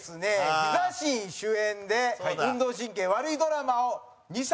ヒザ神主演で運動神経悪いドラマを２作。